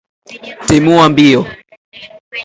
Timua mbio.